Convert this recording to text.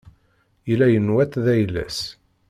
Yella yenwa-tt d ayla-s.